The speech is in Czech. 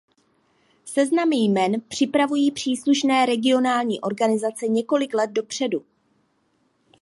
Seznamy jmen připravují příslušné regionální organizace několik let dopředu.